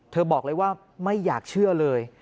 บอกเลยว่าไม่อยากเชื่อเลย